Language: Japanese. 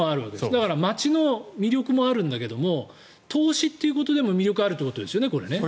だから街の魅力もあるんだけど投資ということでも魅力あるっていうことですよねこれね。